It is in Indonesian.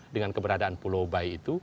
dengan keberadaan pulau bayi itu